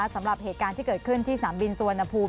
สำหรับเหตุการณ์ที่เกิดขึ้นที่สนามบินสุวรรณภูมิ